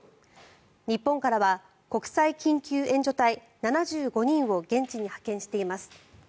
日本からは国際緊急援助隊７５人を現地に派遣しています。